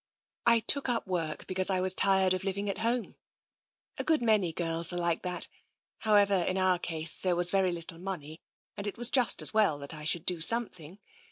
I took up work because I was tired of living at home. A good many girls are like that. However, in our case there was very little money, and it was just as well that I should do something.